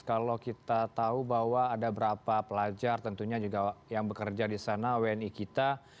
kalau kita tahu bahwa ada berapa pelajar tentunya juga yang bekerja di sana wni kita